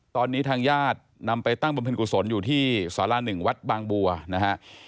ตอนนี้ทางญาตินำไปตั้งบำเพ็ญกุศลอยู่ที่สาร๑วัดบางบัวนะฮะ